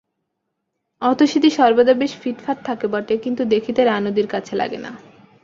অতসীদি সর্বদা বেশ ফিটফাট থাকে বটে, কিন্তু দেখিতে রানুদির কাছে লাগে না।